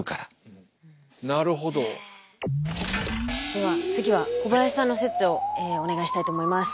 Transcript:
では次は小林さんの説をお願いしたいと思います。